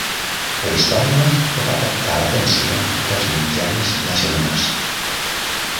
La història va captar l'atenció dels mitjans nacionals.